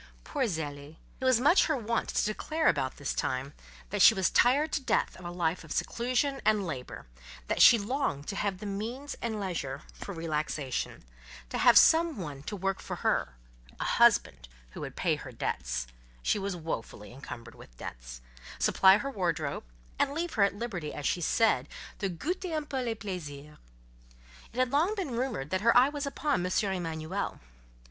Poor Zélie! It was much her wont to declare about this time, that she was tired to death of a life of seclusion and labour; that she longed to have the means and leisure for relaxation; to have some one to work for her—a husband who would pay her debts (she was woefully encumbered with debt), supply her wardrobe, and leave her at liberty, as she said, to "goûter un peu les plaisirs." It had long been rumoured, that her eye was upon M. Emanuel.